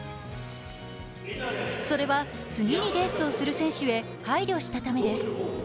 それは次にレースをする選手へ配慮したためです。